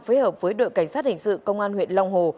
phối hợp với đội cảnh sát hình sự công an huyện long hồ